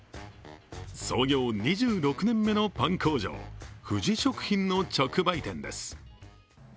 創業２６年目のパン工場、富士食品の直売店です。